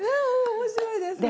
面白いですね。